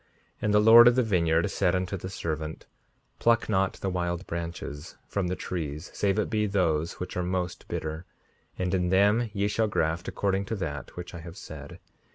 5:57 And the Lord of the vineyard said unto the servant: Pluck not the wild branches from the trees, save it be those which are most bitter; and in them ye shall graft according to that which I have said.